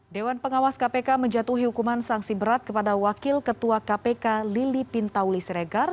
dewan pengawas kpk menjatuhi hukuman sanksi berat kepada wakil ketua kpk lili pintauli siregar